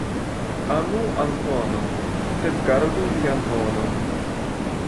Amu Antonon, sed gardu vian monon.